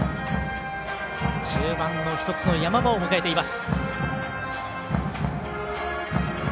中盤の１つの山場を迎えています。